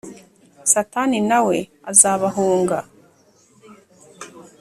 Satani na we azabahunga